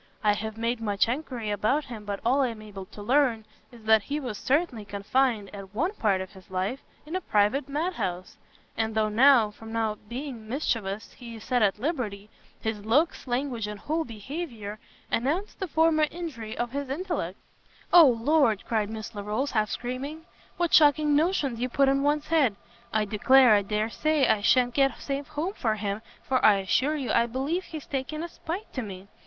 I have made much enquiry about him, but all I am able to learn, is that he was certainly confined, at one part of his life, in a private mad house: and though now, from not being mischievous, he is set at liberty, his looks, language, and whole behaviour, announce the former injury of his intellects." "O Lord," cried Miss Larolles, half screaming, "what shocking notions you put in one's head! I declare I dare say I sha'n't get safe home for him, for I assure you I believe he's taken a spite to me!